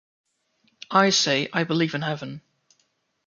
I say I believe in heaven